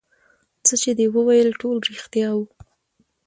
څه دې چې وويل ټول رښتيا وو.